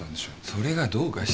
それがどうかしたのか？